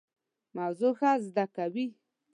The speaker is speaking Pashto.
موضوع ښه زده کوي.